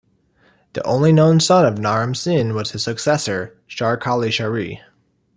The only known son of Naram-Sin was his successor Shar-Kali-Sharri.